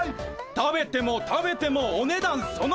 食べても食べてもおねだんそのまま！